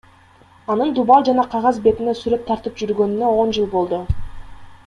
Анын дубал жана кагаз бетине сүрөт тартып жүргөнүнө он жыл болду.